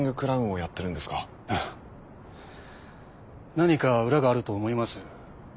何か裏があると思います？